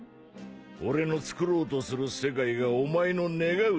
俺のつくろうとする世界がお前の願う